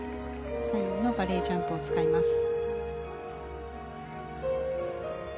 最後のバレエジャンプを使います。